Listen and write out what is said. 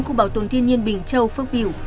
khu bảo tồn thiên nhiên bình châu phước biểu